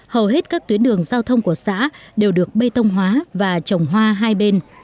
hầu hết các tuyến đường giao thông của xã đều được bê tông hóa và trồng hoa hai bên